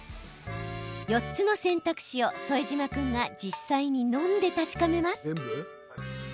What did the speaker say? ４つの選択肢を、副島君が実際に飲んで確かめます。